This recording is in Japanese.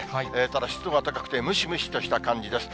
ただ、湿度が高くて、ムシムシとした感じです。